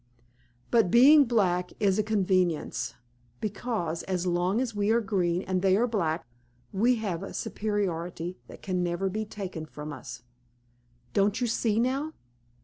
But being black is a convenience, because, as long as we are green and they are black, we have a superiority that can never be taken from us. Don't you see now?"